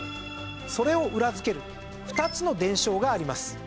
それを裏付ける２つの伝承があります。